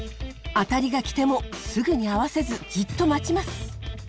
あたりがきてもすぐに合わせずじっと待ちます。